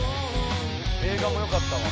映画もよかったわ。